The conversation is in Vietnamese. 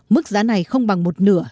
mức giá này không bằng một nửa